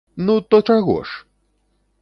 Ну, то чаго ж!